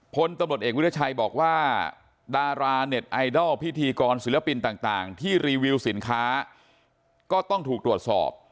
พลตำรวจเอกวิทยาชัยบอกว่าดาราเน็ตไอดอลพิธีกรศิลปินต่างที่รีวิวสินค้าก็ต้องถูกตรวจสอบ